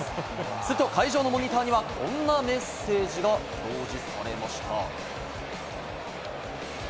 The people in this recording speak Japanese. すると会場のモニターにはこんなメッセージが表示されました。